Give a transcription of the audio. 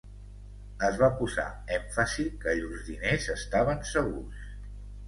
Es va posar èmfasi que llurs diners estaven segurs.